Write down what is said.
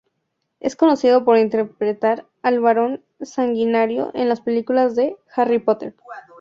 Es conocido por interpretar al Barón sanguinario en las películas de "Harry Potter".